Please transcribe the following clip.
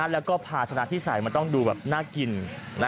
แล้วก็ภาชนะที่ใส่มันต้องดูแบบน่ากิน